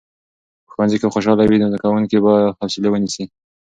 که په ښوونځي کې خوشالي وي، نو زده کوونکي به حوصلې ونیسي.